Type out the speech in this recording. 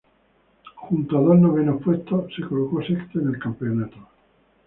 Junto a dos novenos puestos, se colocó sexto en el campeonato.